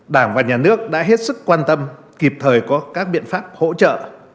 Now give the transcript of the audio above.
đảng và nhà nước đã hết sức quan tâm kịp thời có các biện pháp hỗ trợ